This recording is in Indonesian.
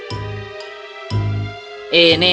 ini menjengkelkan kenapa kalian tidak membiarkanku tidur